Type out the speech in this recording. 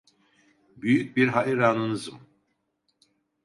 Büyük bir hayranınızım.